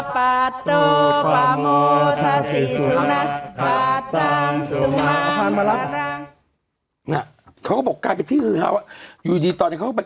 พระธรภาพมารับเนี่ยเขาก็บอกกลายไปที่คือเท่าไหร่อยู่ดีตอนนี้เขาก็ไป